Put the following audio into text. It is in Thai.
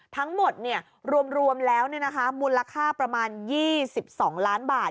ทั้งหมดเนี่ยรวมแล้วเนี่ยนะคะมูลค่าประมาณ๒๒ล้านบาท